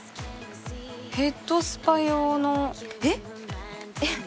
ヘッドスパ用のえっ？